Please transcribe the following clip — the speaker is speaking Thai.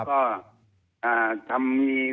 ภัยบูรณ์นิติตะวันภัยบูรณ์นิติตะวัน